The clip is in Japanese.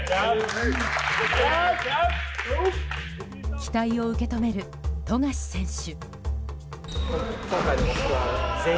期待を受け止める富樫選手。